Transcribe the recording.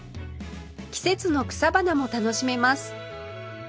季節の草花も楽しめます